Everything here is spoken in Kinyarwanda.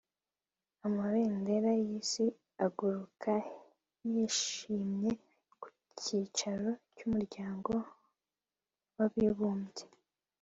amabendera yisi aguruka yishimye ku cyicaro cy'umuryango w'abibumbye